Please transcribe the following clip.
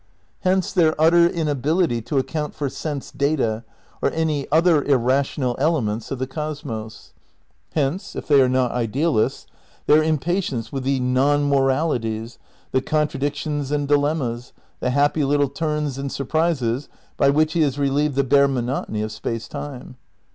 Hence their utter inability to account for sense data, or any other irrational elements of the cosmos. Hence — ^if they are not idealists — their impatience with the non moralities, the contradictions and dilemmas, the happy little turns and surprises by which he has relieved the bare monotony of Space Time.